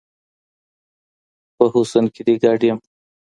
په حسن كـــــــي دي ګـــــــډ يـــــم